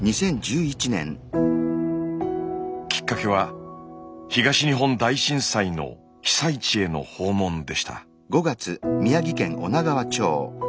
きっかけは東日本大震災の被災地への訪問でした。